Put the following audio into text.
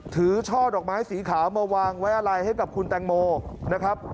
ช่อดอกไม้สีขาวมาวางไว้อะไรให้กับคุณแตงโมนะครับ